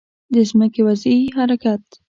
د ځمکې وضعي حرکت